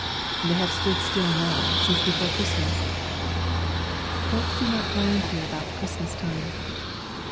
"They have stood still now, since before Christmas." "Folks do not grind here about Christmas time."